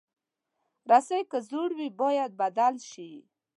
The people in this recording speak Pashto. رسۍ که زوړ وي، باید بدل شي.